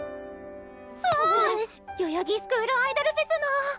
あぁ！ヨヨギスクールアイドルフェスの！